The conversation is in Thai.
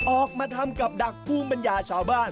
ออกมาทำกับดักภูมิปัญญาชาวบ้าน